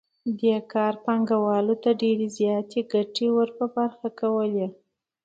دې کار پانګوال ته ډېرې زیاتې ګټې ور په برخه کولې